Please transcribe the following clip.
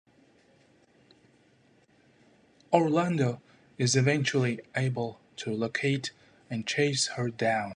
"Orlando" is eventually able to locate and chase her down.